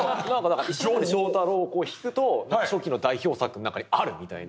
「石森章太郎」を引くと初期の代表作の中にあるみたいな。